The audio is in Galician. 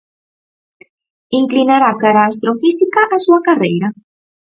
Inclinará cara á astrofísica a súa carreira?